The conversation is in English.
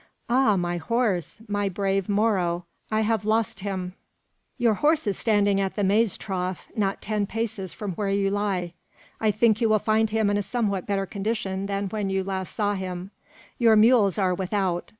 "Ah, my horse! my brave Moro! I have lost him." "Your horse is standing at the maize trough, not ten paces from where you lie. I think you will find him in somewhat better condition than when you last saw him. Your mules are without.